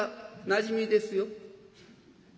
「なじみですよ」。